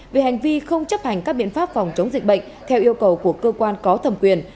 về hành vi không chấp hành các biện pháp phòng chống dịch bệnh theo yêu cầu của cơ quan có thẩm quyền